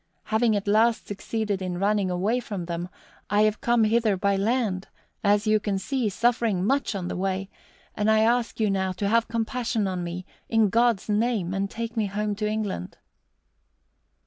Having at last succeeded in running away from them, I have come hither by land, as you can see, suffering much on the way, and I ask you now to have compassion on me, in God's name, and take me home to England."